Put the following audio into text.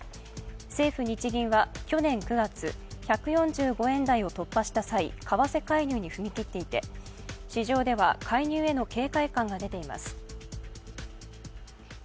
政府・日銀は去年９月、１４５円台を突破した際、為替介入に踏み切っていて市場では介入への警戒感が出ています。